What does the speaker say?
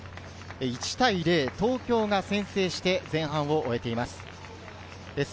１対０、東京が先制して前半を終えています。